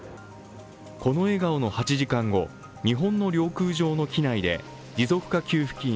この笑顔の８時間後、日本の領空上の機内で持続化給付金